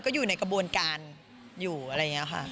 ก็อยู่ในกระบวนการอยู่อะไรอย่างนี้ค่ะ